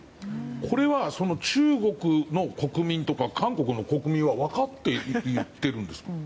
これは中国の国民とか韓国の国民は分かって言っているんですか。